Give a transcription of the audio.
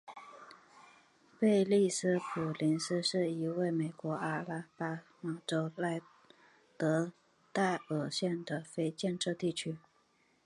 贝利斯普林斯是一个位于美国阿拉巴马州劳德代尔县的非建制地区。